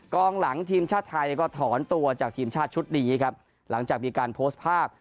กองหลังทีมชาติไทยก็ถอนตัวจากทีมชาติชุดนี้ครับหลังจากมีการโพสต์ภาพ